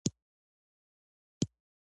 ما پخوا هم ډیر ځله داسې شرکتونه پیل کړي دي